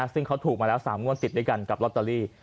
ซึ่งเขาถูกมาแล้ว๓งวดติดด้วยกันกับลอตเตอรี่